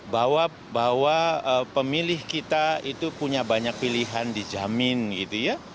bahwa pemilih kita itu punya banyak pilihan dijamin gitu ya